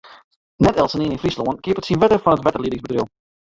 Net eltsenien yn Fryslân keapet syn wetter fan it wetterliedingbedriuw.